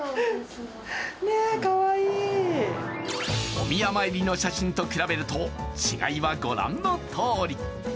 お宮参りの写真と比べると違いはご覧のとおり。